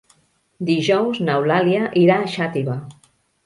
Dijous n'Eulàlia irà a Xàtiva.